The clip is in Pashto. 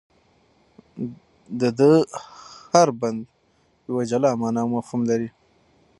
د ده هر بند یوه جلا مانا او مفهوم لري.